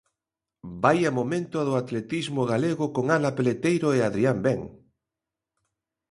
Vaia momento do atletismo galego con Ana Peleteiro e Adrián Ben.